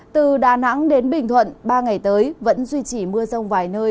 từ đà nẵng đến bình thuận ba ngày tới vẫn duy trì mưa rông vài nơi